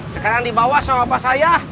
sekarang dibawa sama bapak saya